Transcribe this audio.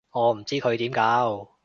我唔知佢點教